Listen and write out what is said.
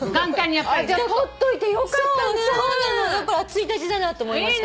やっぱり一日だなと思いました。